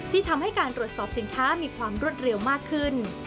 ที่ทำให้การตรวจสอบสินค้ามีความรวดเร็วมากขึ้น